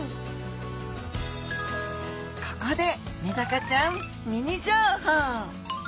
ここでメダカちゃんミニ情報！